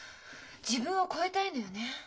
自分を超えたいのよね。